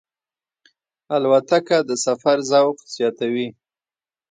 الوتکه د سفر ذوق زیاتوي.